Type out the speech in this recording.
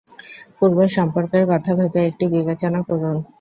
পূর্ব সম্পর্কের কথা ভেবে একটু বিবেচনা করুন।